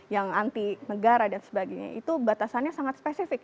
yang anti negara dan sebagainya itu batasannya sangat spesifik